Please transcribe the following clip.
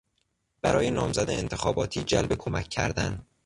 برای نامزد انتخاباتی جلب کمک کردن